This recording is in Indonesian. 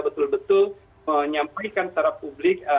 betul betul menyampaikan secara publik